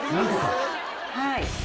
はい。